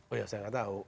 oh ya saya gak tau